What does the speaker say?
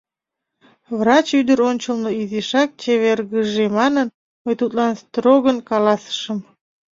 Врач ӱдыр ончылно изишак чевергыже манын, мый тудлан строгын каласышым.